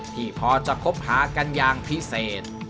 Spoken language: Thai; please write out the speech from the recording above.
ที่พอจะคบหากันอย่างพิเศษ